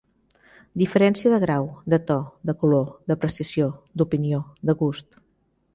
Diferència de grau, de to, de color, d'apreciació, d'opinió, de gust.